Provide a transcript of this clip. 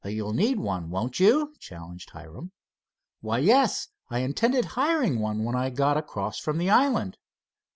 "You'll need one, won't you?" challenged Hiram. "Why, yes. I intended hiring one when I got across from the island."